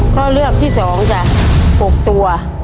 ข้อเลือกที่๒จ้ะ๖ตัว